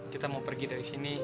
kita mau pergi dari sini